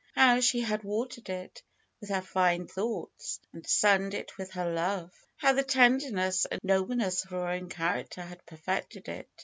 How she had watered it with her fine thoughts, and sunned it with her love ! How the tenderness and no bleness of her own character had perfected it!